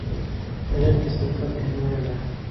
ښایست د صداقت هنداره ده